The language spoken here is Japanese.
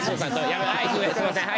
すみません。